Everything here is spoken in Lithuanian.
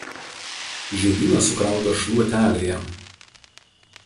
Žiedynas sukrautas šluotelėje.